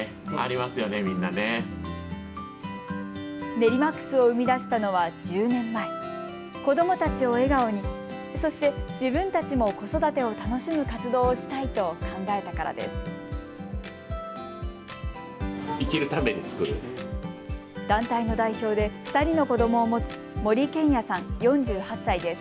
ネリマックスを生み出したのは１０年前、子どもたちを笑顔に、そして、自分たちも子育てを楽しむ活動をしたいと考えたからです。